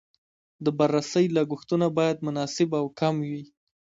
د بررسۍ لګښتونه باید مناسب او کم وي.